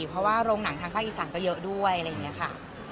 เพราะว่าโรงหนังทางภาคอีสานก็เยอะด้วยอะไรอย่างนี้ค่ะ